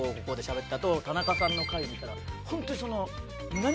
あと田中さんの回見たらホントにその。